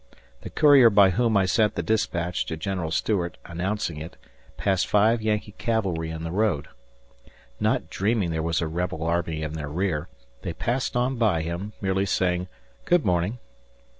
The courier by whom I sent the dispatch to General Stuart announcing it passed five Yankee cavalry in the road. Not dreaming there was a rebel army in their rear, they passed on by him, merely saying "Good morning."